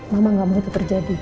mama gak mau itu terjadi